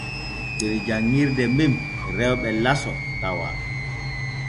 Der janŋirde men rewɓe laso tawa.